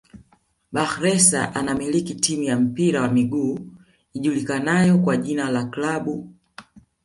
Bakhresa anamiliki timu ya mpira wa miguu ijulikanayo kwa jina la klabu